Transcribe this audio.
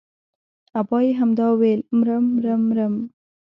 ابا يې همدا ويل مرم مرم مرم.